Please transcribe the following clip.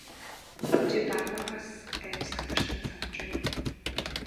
Чи баавгайгаас айж сандарснаа санаж байна уу?